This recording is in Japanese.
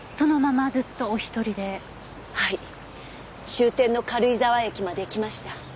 終点の軽井沢駅まで行きました。